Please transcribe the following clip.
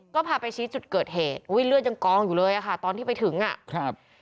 ก็พาไปชี้จุดเกิดเหตุอุ้ยเลือดยังกองอยู่เลยอ่ะค่ะตอนที่ไปถึงอ่ะครับ